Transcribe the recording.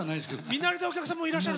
見慣れたお客さんもいらっしゃる？